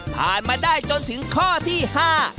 ผ่านมาได้จนถึงข้อที่ห้า